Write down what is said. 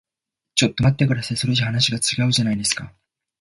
ちょっと待ってください。それじゃ話が違うじゃないですか。